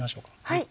はい。